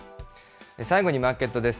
最後にマーケットです。